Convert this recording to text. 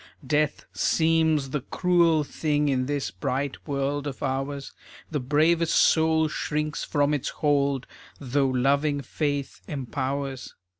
Death seems the cruel thing In this bright world of ours. The bravest soul shrinks from its hold Though loving faith empowers.